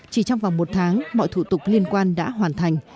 chỉ trong vòng một tháng mọi thủ tục liên quan đã hoàn thành